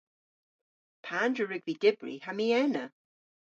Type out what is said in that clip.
Pandr'a wrug vy dybri ha my ena?